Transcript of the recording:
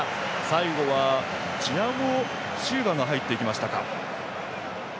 最後はチアゴ・シウバが入っていきましたか。